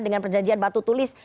dengan perjanjian batu tulis